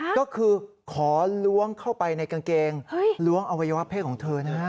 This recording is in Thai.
ก็คือขอล้วงเข้าไปในกางเกงล้วงอวัยวะเพศของเธอนะ